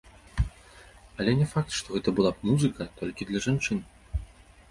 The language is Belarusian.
Але не факт, што гэта была б музыка толькі для жанчын.